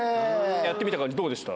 やってみた感じ、どうでした？